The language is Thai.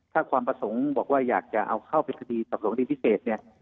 ถ้าความประสงค์บอกว่าอยากจะเอาเข้าเป็นคดีสับหลวงดีพิเศษเนี่ย